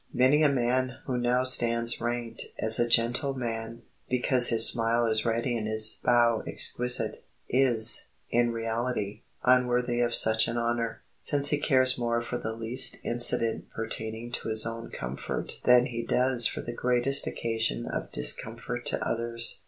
Many a man who now stands ranked as a gentleman, because his smile is ready and his bow exquisite, is, in reality, unworthy of such an honor, since he cares more for the least incident pertaining to his own comfort than he does for the greatest occasion of discomfort to others.